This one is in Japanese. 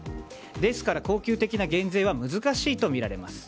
ですから、恒久的な減税は難しいとみられます。